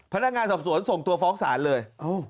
พนักงานสอบสวนส่งตัวฟ้องศาลเลย